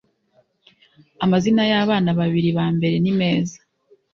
amazina y’ abana babiri ba mbere nimeza.